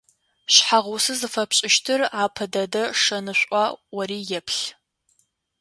Шъхьагъусэ зыфэпшӏыщтыр апэ дэдэ шэнышӏуа ӏори еплъ.